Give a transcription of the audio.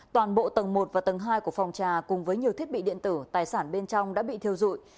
toàn bộ tầng một và tầng hai của phòng trà cùng với nhiều thiết bị điện tử tài sản bên trong đã bị thiêu dụi